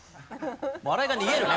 笑いが逃げるね